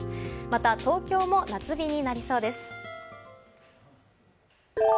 また東京も夏日になりそうです。